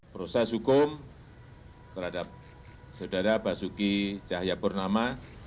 proses hukum terhadap saudara basuki cahaya purnama